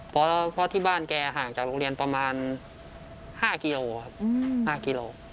เพราะที่บ้านแกห่างจากโรงเรียนประมาณ๕กิโลครับ๕กิโล